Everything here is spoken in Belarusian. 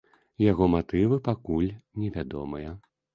Яго матывы пакуль невядомыя.